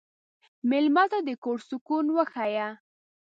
مېلمه ته د کور سکون وښیه.